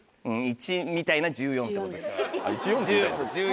１みたいな１４ってことですから１４です。